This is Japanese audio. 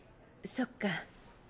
そっか。